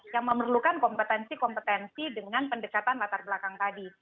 yang memerlukan kompetensi kompetensi dengan pendekatan latar belakang tadi